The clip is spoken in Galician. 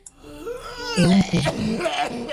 E un cubo.